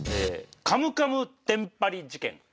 「カムカムテンパり事件」。